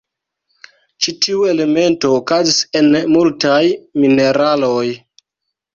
Ĉi tiu elemento okazis en multaj mineraloj.